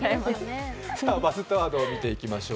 「バズったワード」を見ていきましょう。